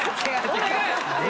お願い！